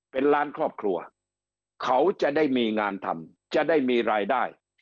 เป็นล้านครอบครัวเขาจะได้มีงานทำจะได้มีรายได้